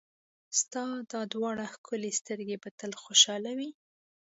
ستا دا دواړه ښکلې سترګې به تل خوشحاله وي.